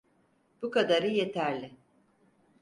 Bu kadarı yeterli.